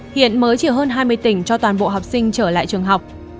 hiện mới chỉ hơn hai mươi tỉnh cho toàn bộ học sinh trở lại trường học